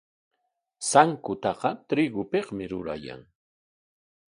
Sankutaqa trigopikmi rurayan.